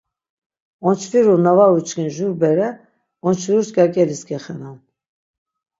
Onçviru na var uçkin jur bere onçviruş k̆erk̆elis gexenan.